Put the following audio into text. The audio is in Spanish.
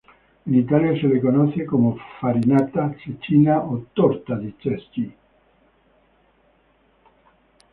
En Italia se la conoce como "farinata, cecina o torta di ceci".